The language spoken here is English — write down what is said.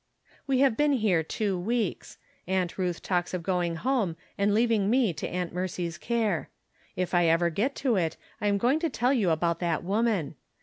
We have been here two weeks. Aunt Ruth talks of going home and leaving me to Aunt Mercy's care. If I ever get to it, I am going to tell you about that woman.